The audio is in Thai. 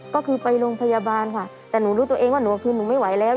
ก็คือไปโรงพยาบาลค่ะแต่หนูรู้ตัวเองว่าหนูคือหนูไม่ไหวแล้ว